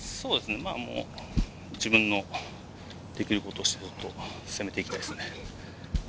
自分のできることをしたい、攻めていきたいですね。